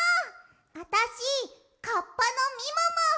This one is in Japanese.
あたしカッパのみもも！